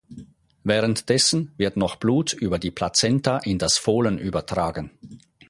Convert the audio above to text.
Währenddessen wird noch Blut über die Plazenta in das Fohlen übertragen.